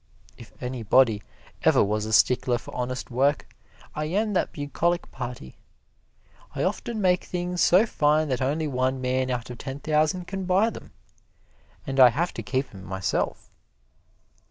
If anybody ever was a stickler for honest work, I am that bucolic party. I often make things so fine that only one man out of ten thousand can buy them, and I have to keep 'em myself.